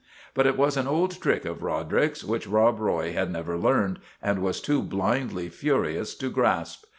But it was an old trick of Roderick's which Rob Roy had never learned and was too blindly furious to grasp.